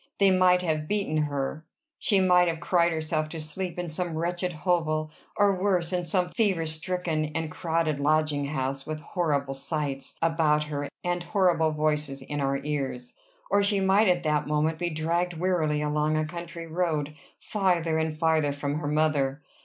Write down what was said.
They might have beaten her! she might have cried herself to sleep in some wretched hovel; or, worse, in some fever stricken and crowded lodging house, with horrible sights about her and horrible voices in her ears! Or she might at that moment be dragged wearily along a country road, farther and farther from her mother!